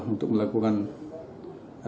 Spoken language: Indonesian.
untuk melakukan asal